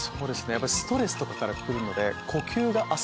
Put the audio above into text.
やっぱりストレスとかからくるので。